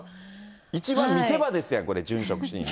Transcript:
一番見せ場ですやん、殉職シーン。